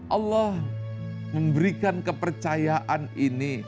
allah memberikan kepercayaan ini